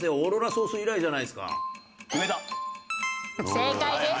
正解です！